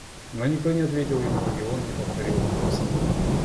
Но никто не ответил ему, и он не повторил вопроса.